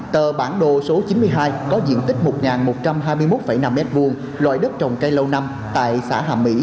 tờ bản đồ số chín mươi hai có diện tích một một trăm hai mươi một năm m hai loại đất trồng cây lâu năm tại xã hàm mỹ